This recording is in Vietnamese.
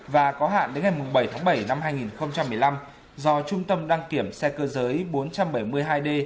và có hạn đến ngày bảy tháng bảy năm hai nghìn một mươi năm do trung tâm đăng kiểm xe cơ giới bốn trăm bảy mươi hai d